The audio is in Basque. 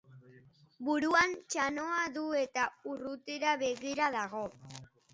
Buruan txanoa du eta urrutira begira dago.